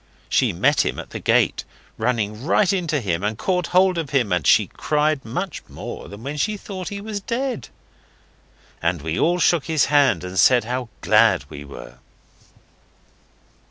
She met him at the gate, running right into him, and caught hold of him, and she cried much more than when she thought he was dead. And we all shook his hand and said how glad we were.